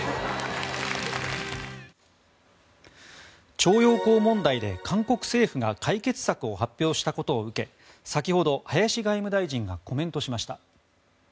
徴用工問題で韓国政府が解決策を発表したことを受け先ほど、林外務大臣がコメントしました。